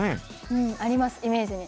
うんありますイメージに。